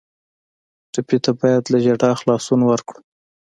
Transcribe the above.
ټپي ته باید له ژړا خلاصون ورکړو.